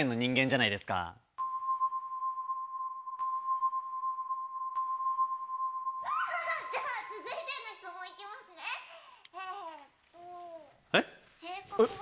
じゃあ続いての質問行きますね・・えっと・えっ？